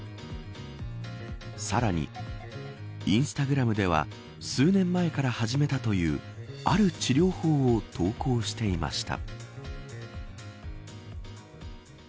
さらにインスタグラムでは数年前から始めたというある治療法を投稿していました。